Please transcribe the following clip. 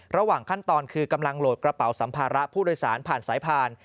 ระหว่างขั้นตอนคือกำลังโหลดกระเป๋าสัมภาระผู้โดยสารผ่านสายผ่าน